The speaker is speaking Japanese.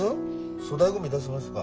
粗大ゴミ出しますか？